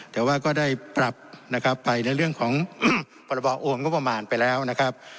แต่ว่าก็ได้ปรับนะครับไปในเรื่องของพรบโอนงบประมาณไปแล้วนะครับ